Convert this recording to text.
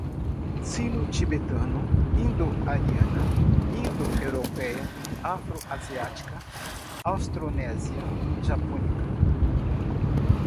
Sino-tibetano, indo-ariana, indo-europeia, afro-asiática, austronésia, japônica